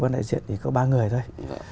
đại diện thì có ba người thôi